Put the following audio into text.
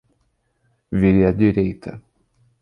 Vire à direita.